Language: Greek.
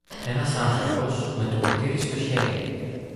Ένας άνθρωπος, με το ποτήρι στο χέρι